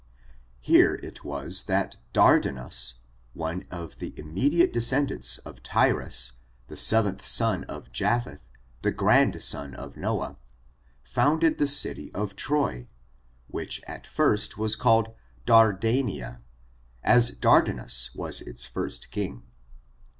Here it was that Dardantis, one of the immedite descendants of TircLs^ the seventh son of Japhelhj the grand son of NoaJi, founded the city of Troy, which at first was called Dardania, as Dardanus was its first king.